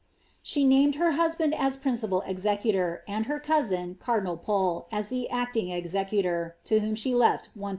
[%e named her husband as principal executor, and her cousin, cardi nal Pole, as the acting executor, to whom she left 1000